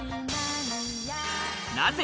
なぜ？